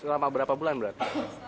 selama berapa bulan berarti